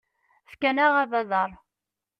Fkan-aɣ abadaṛ.